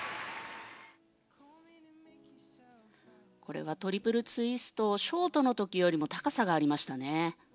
これはトリプルツイストショートの時よりも高さがありましたね。